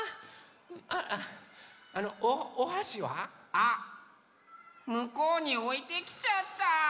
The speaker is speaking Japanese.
あっむこうにおいてきちゃった！